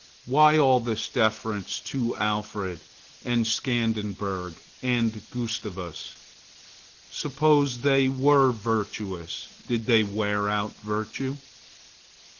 Why all this deference to Alfred and Scanderbeg and Gustavus? Suppose they were virtuous; did they wear out virtue?